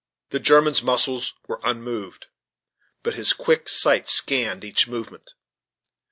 The German's muscles were unmoved, but his quick sight scanned each movement.